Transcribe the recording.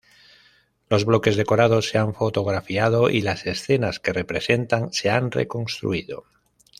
Los bloques decorados se han fotografiado y las escenas que representan se han reconstruido.